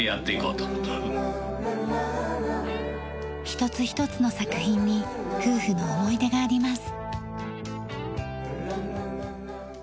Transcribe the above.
一つ一つの作品に夫婦の思い出があります。